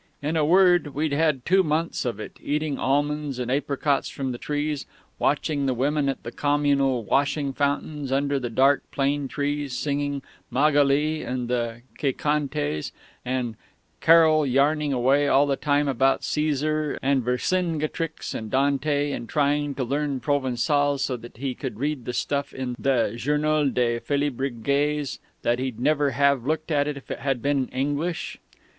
In a word, we'd had two months of it, eating almonds and apricots from the trees, watching the women at the communal washing fountains under the dark plane trees, singing Magali and the Qué Cantes, and Carroll yarning away all the time about Caesar and Vercingetorix and Dante, and trying to learn Provençal so that he could read the stuff in the Journal des Félibriges that he'd never have looked at if it had been in English....